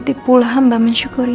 terima kasih pak